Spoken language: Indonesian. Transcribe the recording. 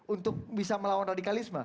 untuk bisa melawan radikalisme